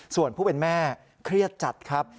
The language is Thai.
ส่วนผู้เป็นแม่เครียดจัดครับ